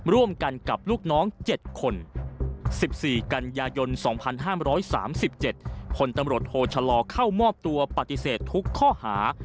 ร่วมกันกับลูกน้อง๗คน๑๔กันยายน๒๕๓๗พลตำรวจโทชะลอเข้ามอบตัวปฏิเสธทุกข้อหา